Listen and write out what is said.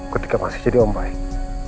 ketika masih jadi om baik